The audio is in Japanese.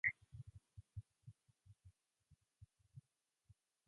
あそこは鴨川の近くで、下鴨の森林美はもとより、